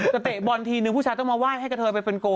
เตะบอลทีนึงผู้ชายต้องมาไหว้ให้กระเทยไปเป็นโก